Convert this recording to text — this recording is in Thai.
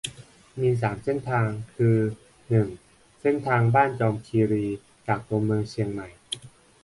มี สาม เส้นทาง คือ หนึ่ง เส้นทางบ้านจอมคีรี จากตัวเมืองเชียงใหม่